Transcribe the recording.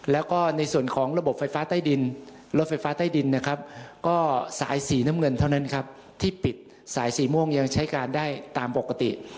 แล้วก็ในส่วนของระบบไฟฟ้าใต้ดินรถไฟฟ้าใต้ดินนะครับก็สายสีน้ำเงินเท่านั้นครับที่ปิดสายสีม่วงยังใช้การได้ตามปกติ